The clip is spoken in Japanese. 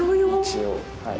一応はい。